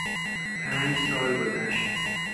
پنج سال گذشت.